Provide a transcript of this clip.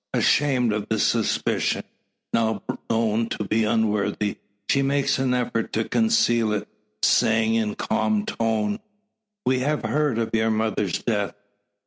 Ashamed of the suspicion, now known to be unworthy, she makes an effort to conceal it, saying in calm tone "We have heard of your mother's death."